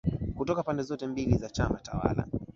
kutoka pande zote mbili za chama tawala